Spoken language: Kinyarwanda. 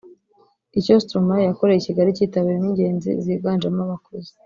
icyo Stromae yakoreye i Kigali cyitabiriwe n’ingeri ziganjemo abakuze